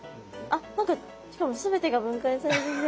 あっ何かしかも全てが分解される。